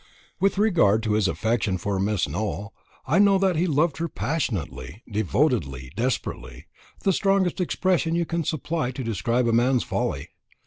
With regard to his affection for Miss Nowell, I know that he loved her passionately, devotedly, desperately the strongest expression you can supply to describe a man's folly.